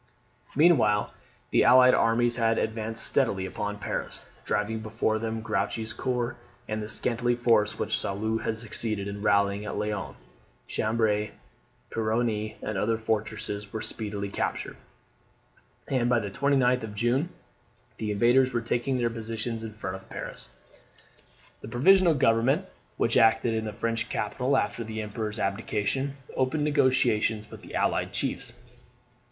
Meanwhile the allied armies had advanced steadily upon Paris, driving before them Grouchy's corps, and the scanty force which Soult had succeeded in rallying at Laon. Cambray, Peronne, and other fortresses were speedily captured; and by the 29th of June the invaders were taking their positions in front of Paris. The Provisional Government, which acted in the French capital after the Emperor's abdication, opened negotiations with the allied chiefs.